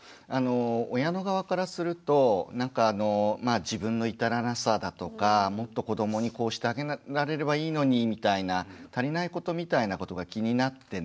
親の側からするとなんかあのまあ自分の至らなさだとかもっと子どもにこうしてあげられればいいのにみたいな足りないことみたいなことが気になってね